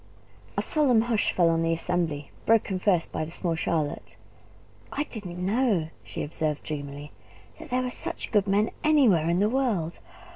A solemn hush fell on the assembly, broken first by the small Charlotte. "I didn't know," she observed dreamily, "that there were such good men anywhere in the world.